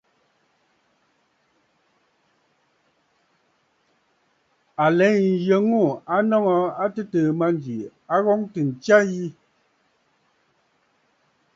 À lɛ nzi nyə ŋû a nɔŋə̀ a tɨtɨ̀ɨ̀ mânjì, ŋ̀ghɔŋtə ntsya yi.